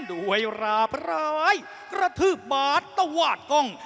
ด้วยราบร้ายกระทืบหมาดวาดกล้อง